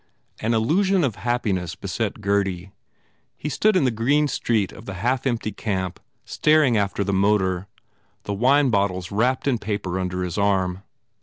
An illusion of happiness beset Gurdy. He stood in the green street of the half empty camp staring after the motor, the wine bottles wrapped in paper under his arm.